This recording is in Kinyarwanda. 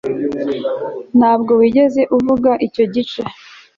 ntabwo wigeze uvuga icyo gice